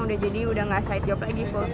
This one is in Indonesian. udah jadi udah gak side job lagi full